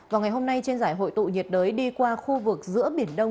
vào ngày hôm nay trên giải hội tụ nhiệt đới đi qua khu vực giữa biển đông